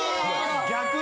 逆に？